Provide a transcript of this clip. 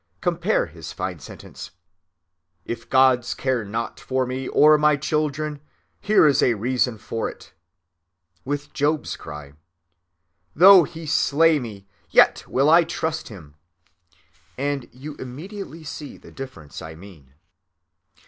Compare his fine sentence: "If gods care not for me or my children, here is a reason for it," with Job's cry: "Though he slay me, yet will I trust in him!" and you immediately see the difference I mean.